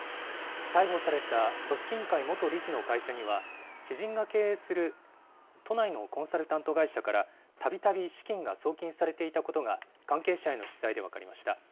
逮捕された組織委員会元理事の会社には、知人が経営する都内のコンサルタント会社から、たびたび資金が送金されていたことが、関係者への取材で分かりました。